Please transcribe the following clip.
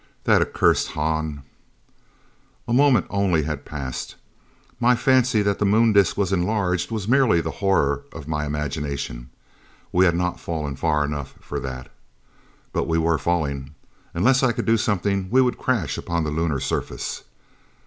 "That accursed Hahn " A moment only had passed. My fancy that the Moon disc was enlarged was merely the horror of my imagination. We had not fallen far enough for that. But we were falling. Unless I could do something, we would crash upon the Lunar surface.